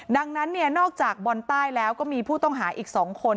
ดังนั้นเนี่ยนอกจากบอลใต้แล้วก็มีผู้ต้องหาอีก๒คน